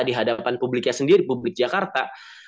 di hadapan publiknya sendiri publik jakarta